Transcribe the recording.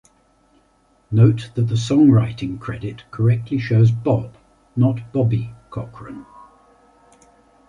Note that the songwriting credit correctly shows Bob, not Bobby, Cochran.